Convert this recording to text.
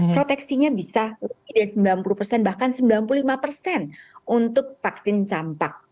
proteksinya bisa lebih dari sembilan puluh persen bahkan sembilan puluh lima persen untuk vaksin campak